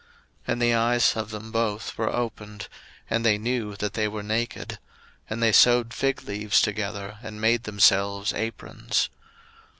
01:003:007 And the eyes of them both were opened, and they knew that they were naked; and they sewed fig leaves together, and made themselves aprons.